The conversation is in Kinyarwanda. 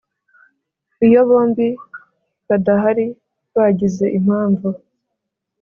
Iyo bombi badahari bagize impamvu